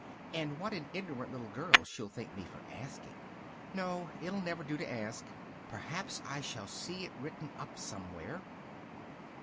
"and what an ignorant little girl she'll think me for asking! No, it'll never do to ask: perhaps I shall see it written up somewhere."